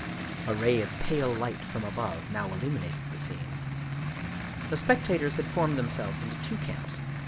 A ray of pale light from above now illuminated the scene. The spectators had formed themselves into two camps.